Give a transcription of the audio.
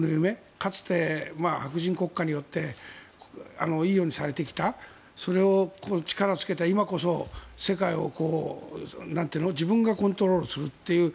かつて白人国家によっていいようにされてきたそれを力をつけた今こそ世界を自分がコントロールするという。